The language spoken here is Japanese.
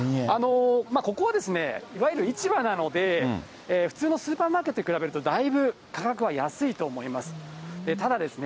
ここはですね、いわゆる市場なので、普通のスーパーマーケットに比べると、だいぶ価格は安いと思います。